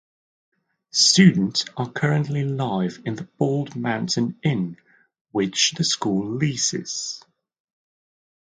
Students currently live in the Bald Mountain Inn, which the school leases.